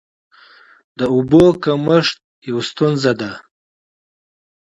د اوبو کمښت یوه ستونزه ده.